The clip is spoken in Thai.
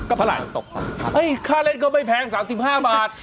ก็พลังตกเอ้ยค่าเล่นก็ไม่แพง๓๕บาท